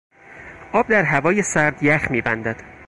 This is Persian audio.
آب در هوای سرد یخ میبندد.